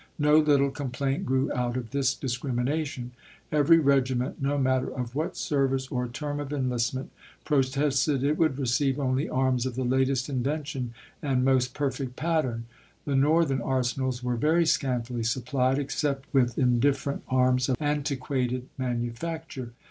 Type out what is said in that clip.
No little com plaint grew out of this discrimination ; every regiment, no matter of what service or term of enlistment, protested it would receive only arms of the latest invention and most perfect pattern. The Northern arsenals were very scantily supplied, ex cept with indifferent arms of antiquated manufac ture.